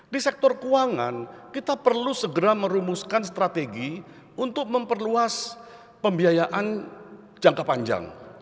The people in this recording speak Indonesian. di sektor keuangan kita perlu segera merumuskan strategi untuk memperluas pembiayaan jangka panjang